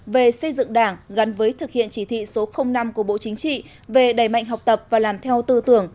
về xây dựng đảng gắn với thực hiện chỉ thị số năm của bộ chính trị về đẩy mạnh học tập và làm theo tư tưởng